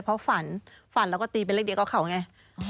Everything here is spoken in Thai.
เพราะฝันฝันแล้วก็ตีเป็นเลขเดียวกับเขาไง